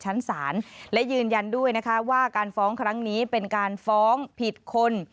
ชั้นศาลและยืนยันด้วยนะคะว่าการฟ้องครั้งนี้เป็นการฟ้องผิดคน